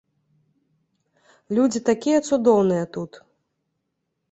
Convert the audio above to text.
Людзі такія цудоўныя тут!